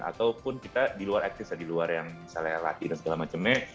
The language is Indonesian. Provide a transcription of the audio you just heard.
ataupun kita di luar etnis atau di luar yang misalnya latih dan segala macemnya